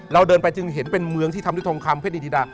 เราเดินไปหนึ่งเห็นเป็นเมืองที่ทำจะทองคำเพชต์นินกินดา